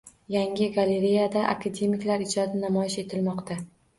Yangi galereyada akademiklar ijodi namoyish etilmoqda